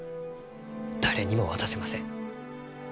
誰にも渡せません。